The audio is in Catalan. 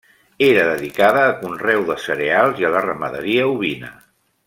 Era dedicada a conreu de cereals i a la ramaderia ovina.